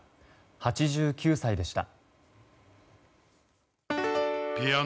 ８９歳でした。